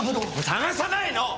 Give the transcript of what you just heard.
捜さないの！